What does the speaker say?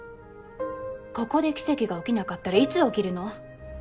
ここで奇跡が起きなかったらいつ起きるの？